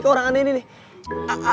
ke orang aneh ini nih